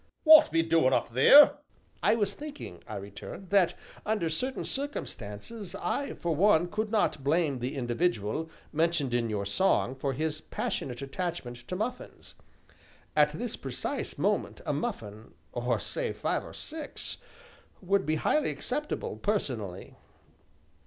"W'at be doin' up theer?" "I was thinking," I returned, "that, under certain circumstances, I, for one, could not blame the individual, mentioned in your song, for his passionate attachment to muffins. At this precise moment a muffin or, say, five or six, would be highly acceptable, personally."